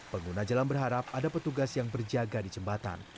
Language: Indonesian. pengguna jalan berharap ada petugas yang berjaga di jembatan